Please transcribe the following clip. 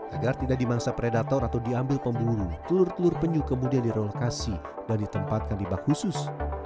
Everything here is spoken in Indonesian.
agar tidak dimangsa predator atau diambil pemburu telur telur penyu kemudian direlokasi dan ditempatkan di bak khusus